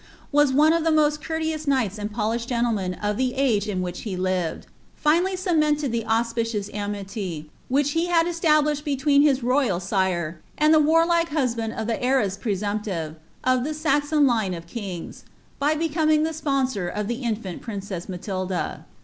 waa one of ttie most courtecrat knighla and polished gentlemen of the age in which he lived, Anally ce mented the auspicious amiiy which he had established between hie royal ■ire and the warlike husband of the heiress presumptive of the Saxon line ©f kings, by becoming the ajwnsof of the infant pruicess Matilda.